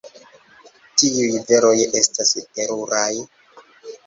Tiuj veroj estas teruraj!